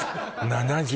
７０